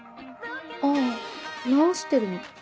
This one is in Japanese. あ直してるの。